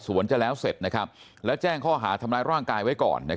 จะแล้วเสร็จแล้วแจ้งข้อหาทำร้ายร่างกายไว้ก่อน